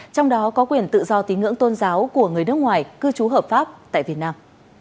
trong đó có quyền tự do tín ngưỡng tôn giáo của người nước ngoài cư trú hợp pháp tại việt nam